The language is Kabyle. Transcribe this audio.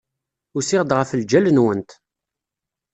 Usiɣ-d ɣef ljal-nwent.